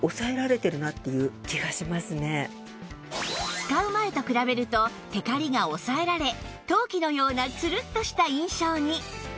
使う前と比べるとテカリが抑えられ陶器のようなツルッとした印象に